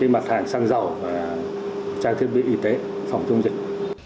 mặt hàng xăng dầu và trang thiết bị y tế phòng chống dịch